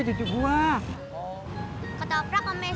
hai tapi cukup